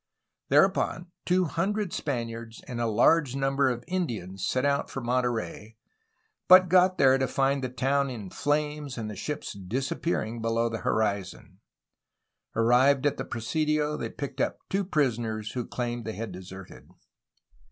Thereupon, two hundred Spaniards and a large number of Indians set out for Monterey, but got there to find the town in flames and the ships disappearing below the horizon. Arrived at the presidio they picked up two prisoners who claimed they had deserted.